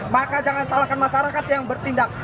maka jangan salahkan masyarakat yang bertindak